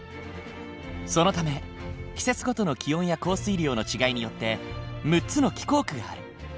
そのため季節ごとの気温や降水量の違いによって６つの気候区がある。